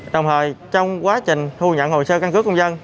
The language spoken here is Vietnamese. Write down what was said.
đồng hồi trong quá trình thu nhận hồ sơ căn cước công dân